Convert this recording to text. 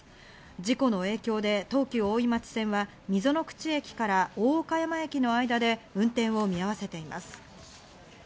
事故の影響で東急大井町線は溝の口駅から大岡山駅の間で運転を見合わせています。